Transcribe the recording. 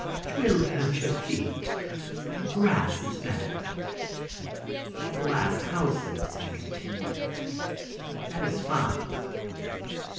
"'Twill hurt your feet; grass is better." "Glass houses," I continue. "That is fine."